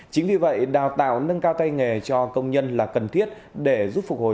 chính vì vậy đào tạo nâng cao tay nghề cho công nhân là cần thiết để giúp phục hồi